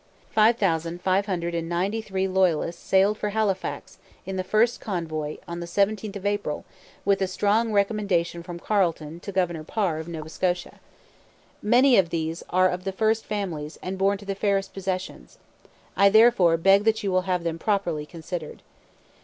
Five thousand five hundred and ninety three Loyalists sailed for Halifax in the first convoy on the 17th of April with a strong recommendation from Carleton to Governor Parr of Nova Scotia. 'Many of these are of the first families and born to the fairest possessions. I therefore beg that you will have them properly considered.'